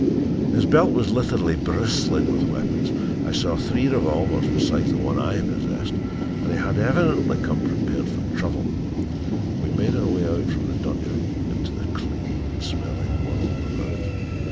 His belt was literally bristling with weapons I saw three revolvers beside the one I possessed and he had, evidently come prepared for trouble. We made our way from the dungeon into the clean smelling world without.